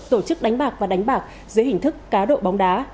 tổ chức đánh bạc và đánh bạc dưới hình thức cá độ bóng đá